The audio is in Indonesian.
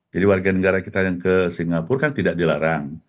jadi warga negara kita yang ke singapura kan tidak dilarang